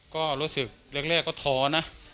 ก็รู้สึกแรกก็ท้อนะ